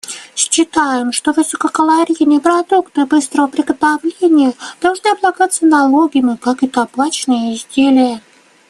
Считаем, что высококалорийные продукты быстрого приготовления должны облагаться налогами, как и табачные изделия.